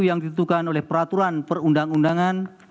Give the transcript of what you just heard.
yang ditentukan oleh peraturan perundang undangan